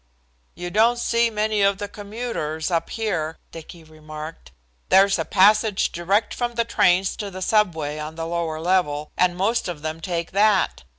"You don't see many of the commuters up here," Dicky remarked. "There's a passage direct from the trains to the subway on the lower level, and most of them take that.